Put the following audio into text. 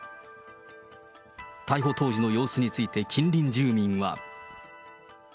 逮捕当時の様子について、近隣住民は。